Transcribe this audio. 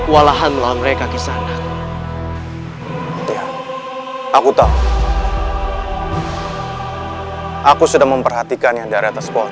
kewalahan melawan mereka kisah anak aku tahu aku sudah memperhatikan yang dari atas pohon